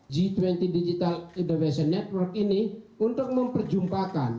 g dua puluh digital innovation network ini untuk memperjumpakan